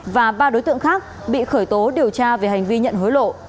và ba đối tượng khác bị khởi tố điều tra về hành vi nhận hối lộ